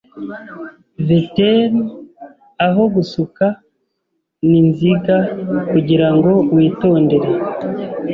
Vetteln aho gusuka ninziga kugirango witondere